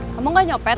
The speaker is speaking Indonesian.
kamu gak nyopet